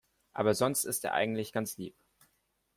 Aber sonst ist er eigentlich ganz lieb.